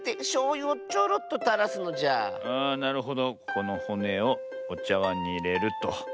このほねをおちゃわんにいれると。